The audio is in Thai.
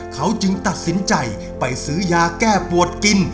เขาจึงตัดสินใจไปซื้อยาแก้ปวดกิน